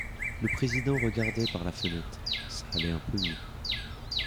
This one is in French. Le président regardait par la fenêtre, ça allait un peu mieux.